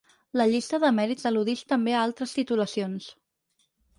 La llista de mèrits al·ludix també a altres titulacions.